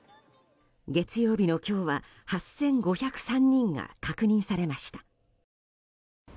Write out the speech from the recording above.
月曜日の今日は８５０３人が確認されました。